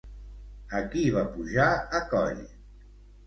A qui va pujar a coll?